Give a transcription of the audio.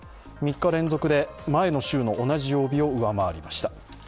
３日連続で前の週の同じ曜日を上回りました。